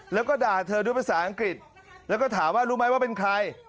แล้วก็ด่าเธอด้วยภาษาอังกฤษแล้วก็ถามว่ารู้ไหมว่าเป็นใคร